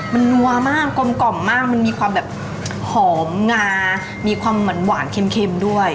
มันนัวมากกลมกล่อมมากมันมีความแบบหอมงามีความหวานเค็มด้วย